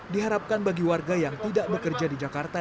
diharapkan bagi warga yang tidak bekerja di jakarta